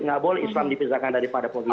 nggak boleh islam dipisahkan daripada politi